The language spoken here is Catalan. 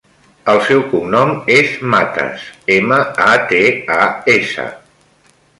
El seu cognom és Matas: ema, a, te, a, essa.